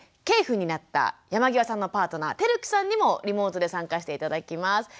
継父になった山際さんのパートナー輝樹さんにもリモートで参加して頂きます。